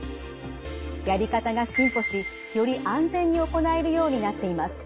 やり方が進歩しより安全に行えるようになっています。